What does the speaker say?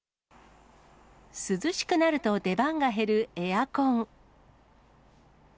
涼しくなると出番が減るエアコン。